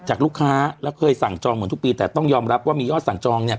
ลูกค้าแล้วเคยสั่งจองเหมือนทุกปีแต่ต้องยอมรับว่ามียอดสั่งจองเนี่ย